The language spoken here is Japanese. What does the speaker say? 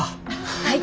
はい！